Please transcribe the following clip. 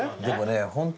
でもね